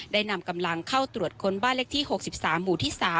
นำกำลังเข้าตรวจค้นบ้านเลขที่๖๓หมู่ที่๓